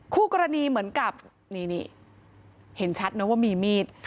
คู่กรณีเหมือนกับนี่เห็นชัดนะว่ามีมีด